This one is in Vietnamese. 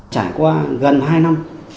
trải qua gần hai năm